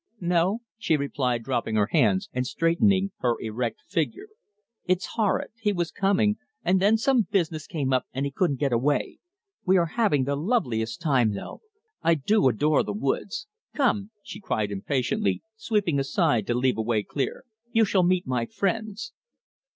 "No," she replied, dropping her hands and straightening her erect figure. "It's horrid. He was coming, and then some business came up and he couldn't get away. We are having the loveliest time though. I do adore the woods. Come," she cried impatiently, sweeping aside to leave a way clear, "you shall meet my friends."